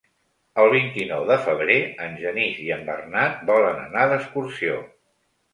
El vint-i-nou de febrer en Genís i en Bernat volen anar d'excursió.